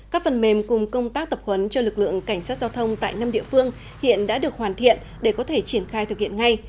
các phần mềm cùng công tác tập huấn cho lực lượng cảnh sát giao thông tại năm địa phương hiện đã được hoàn thiện để có thể triển khai thực hiện ngay